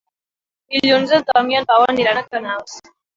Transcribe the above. Dilluns en Tom i en Pau aniran a Canals.